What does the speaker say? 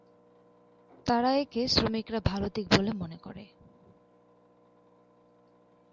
তারা একে শ্রমিকরা ভাল দিক বলে মনে করে।